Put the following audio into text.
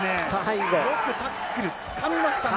よくタックル、つかみましたね。